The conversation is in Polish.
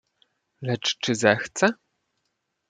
"Lecz czy zechce?"